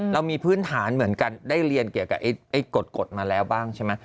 เรามีพื้นฐานเหมือนกันได้เรียนเกี่ยวกับกฎมาแล้วบ้างใช่ไหม